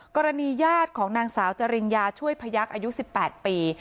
ญาติของนางสาวจริญญาช่วยพยักษ์อายุ๑๘ปี